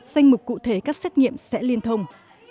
danh mục cụ thể các xét nghiệm sẽ liên thông